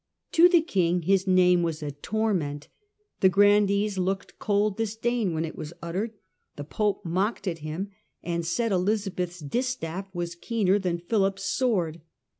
To the King his name was a torment The grandees looked cold disdain when it was uttered. The Pope mocked at him, and said Elizabeth's distaff was keener than Philip's sword.